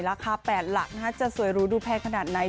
ราคา๘หลักจะสวยหรูดูแพงขนาดไหน